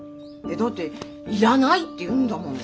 だっていらないって言うんだもん。